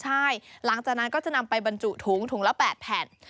ใช่หลังจากนั้นก็จะนำไปบรรจุถุงถุงละ๘แผ่น